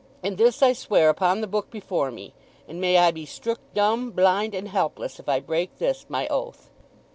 And this I swear upon the book before me; and may I be strook dumb, blind, and helpless, if I break this my oath!"